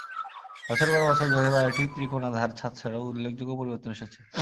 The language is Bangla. বছরের পর বছর ধরে, বাড়িটির ত্রিকোণ ধার ছাদ ছাড়াও, উল্লেখযোগ্য পরিবর্তন এসেছে।